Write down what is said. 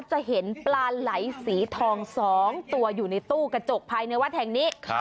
จะเห็นปลาไหลสีทอง๒ตัวอยู่ในตู้กระจกภายในวัดแห่งนี้